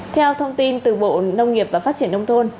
theo thông tin từ bộ nông nghiệp và phát triển nông thôn